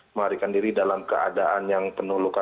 melarikan diri dalam keadaan yang penuh luka